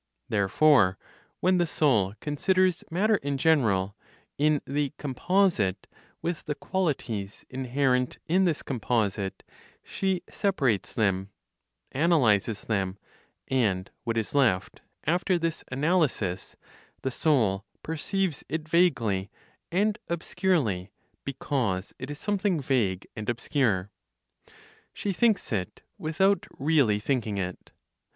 Therefore, when the soul considers matter in general, in the composite, with the qualities inherent in this composite, she separates them, analyzes them, and what is left (after this analysis), the soul perceives it vaguely, and obscurely, because it is something vague and obscure; she thinks it, without really thinking it.